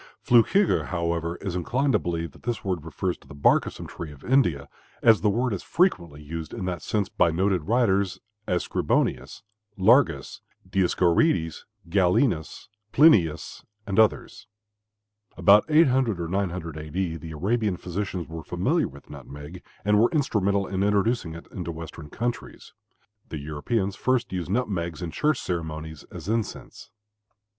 Flückiger, however, is inclined to believe that this word refers to the bark of some tree of India, as the word is frequently used in that sense by noted writers, as Scribonius, Largus, Dioscorides, Galenus, Plinius, and others. About 800 or 900 A. D., the Arabian physicians were familiar with nutmeg and were instrumental in introducing it into western countries. The Europeans first used nutmegs in church ceremonies as incense.